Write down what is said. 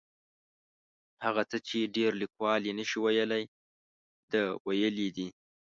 هغه څه چې ډېر لیکوال یې نشي ویلی ده ویلي دي.